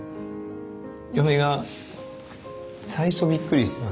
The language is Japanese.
嫁が最初びっくりしてましたね。